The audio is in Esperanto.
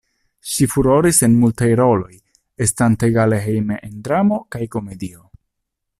Ŝi furoris en multaj roloj, estante egale hejme en dramo kaj komedio.